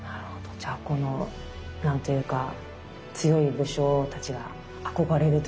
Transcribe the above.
じゃあこの何て言うか強い武将たちが憧れるというか。